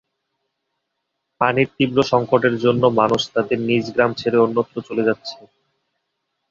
পানির তীব্র সংকটের জন্য মানুষ তাদের নিজ গ্রাম ছেড়ে অন্যত্র চলে যাচ্ছে।